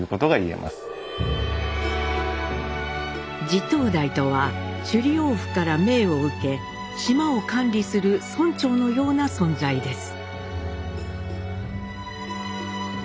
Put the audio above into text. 地頭代とは首里王府から命を受け島を管理する村長のような存在です。